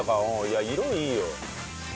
いや色いいよ。